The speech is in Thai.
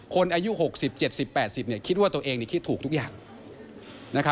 อายุ๖๐๗๐๘๐คิดว่าตัวเองคิดถูกทุกอย่าง